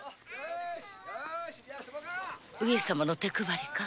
上様の手配りか？